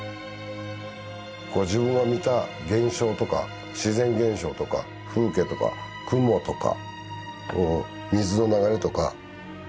自分が見た現象とか自然現象とか風景とか雲とか水の流れとか。